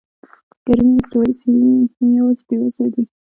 ګرمې استوایي سیمې نه یوازې بېوزله دي.